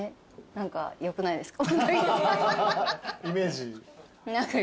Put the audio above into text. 何かよくないですか？